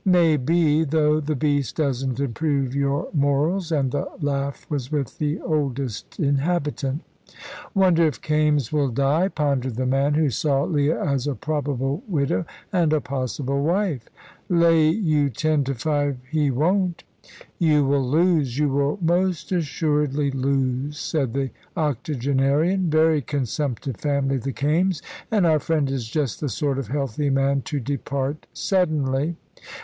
"Maybe, though the beast doesn't improve your morals," and the laugh was with the oldest inhabitant. "Wonder if Kaimes will die," pondered the man who saw Leah as a probable widow and a possible wife. "Lay you ten to five he won't." "You will lose; you will most assuredly lose," said the octogenarian. "Very consumptive family, the Kaimes. And our friend is just the sort of healthy man to depart suddenly."